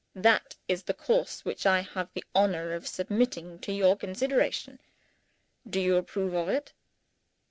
That is the course which I have the honor of submitting to your consideration. Do you approve of it?"